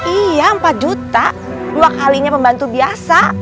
iya empat juta dua kalinya pembantu biasa